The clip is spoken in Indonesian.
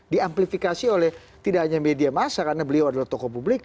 diamplifikasi oleh tidak hanya media massa karena beliau adalah tokoh publik